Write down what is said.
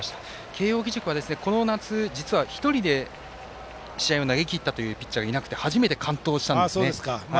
慶応義塾は、この夏、実は１人で試合を投げきったというピッチャーがいなくて初めて完投したんです。